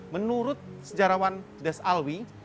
menurut sejarawan des alwi